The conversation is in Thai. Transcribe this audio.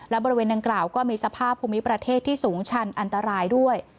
และบริเวณดังกล่าวก็มีสภาพภูมิประเทศที่สูงชันอันตรายด้วย